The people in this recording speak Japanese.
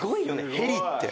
ヘリって。